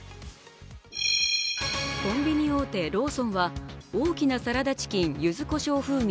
コンビニ大手ローソンは大きなサラダチキン柚子こしょう風味